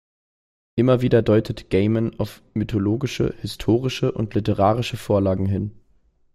Immer wieder deutet Gaiman auf mythologische, historische und literarische Vorlagen hin.